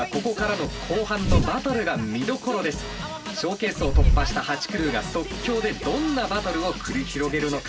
ショーケースを突破した８クルーが即興でどんなバトルを繰り広げるのか？